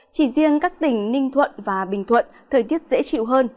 chỉ riêng các tỉnh ninh thuận và bình thuận thời tiết dễ chịu hơn